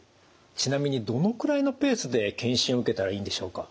ちなみにどのくらいのペースで健診を受けたらいいんでしょうか？